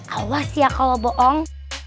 awas ya kalau bohong